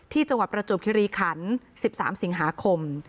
จังหวัดประจวบคิริขัน๑๓สิงหาคม